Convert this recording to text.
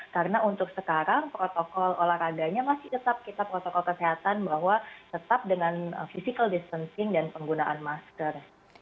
karena untuk sekarang protokol olahraganya masih tetap kita protokol kesehatan bahwa tetap dengan physical distancing dan penggunaan masker